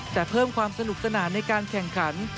แต่เพิ่มความสนุกสนานในการแข่งขัน